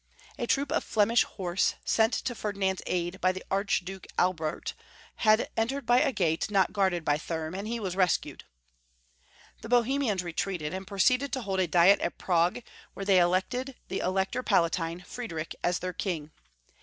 A troop of Flemish horse, sent to Ferdinand's aid by the Archduke Albert, had entered by a gate not guarded by Thurm, and he was rescued. The Bohemians retreated, and proceeded to hold a diet at Prague, wlicre they elected the Elector Palatine, Friedrich, as their king.